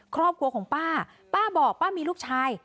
ครอบครัวของป้าป้าบอกป้ามีลูกชาย